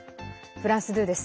フランス２です。